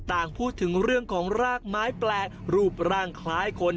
ต่างพูดถึงเรื่องของรากไม้แปลกรูปร่างคล้ายคน